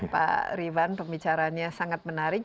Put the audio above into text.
pak riban pembicaranya sangat menarik